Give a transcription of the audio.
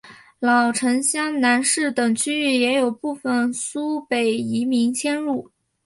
老城厢南市等区域也有部分苏北移民迁入。